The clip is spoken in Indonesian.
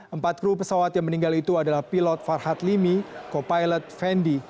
empat kru pesawat yang meninggal itu adalah pilot farhad limi co pilot fendi